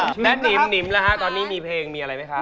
แดดนิ้มละครับตอนนี้มีเพลงมีอะไรไหมครับ